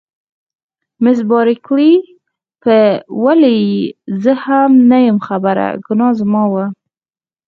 مس بارکلي: په ولې یې زه هم نه یم خبره، ګناه زما وه.